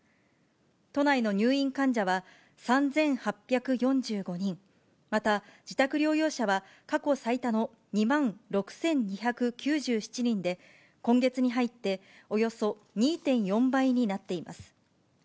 都内の入院患者は、３８４５人、また自宅療養者は、過去最多の２万６２９７人で、今月に入っておよそ２．４倍になっています。